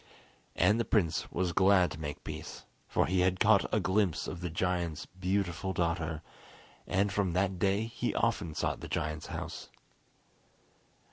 And the prince was glad to make peace, for he had caught a glimpse of the giant's beautiful daughter, and from that day he often sought the giant's house.